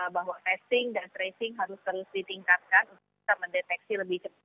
bahwa testing dan tracing harus terus ditingkatkan untuk bisa mendeteksi lebih cepat